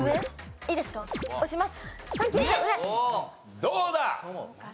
どうだ？